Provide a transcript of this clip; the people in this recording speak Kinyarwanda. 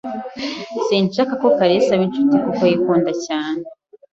Sinshaka ko kalisa aba inshuti kuko yikunda cyane.